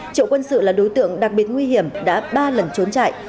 triệu quân sự là đối tượng đặc biệt nguy hiểm đã ba lần trốn chạy